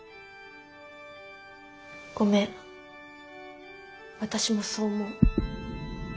ごめん私もそう思う。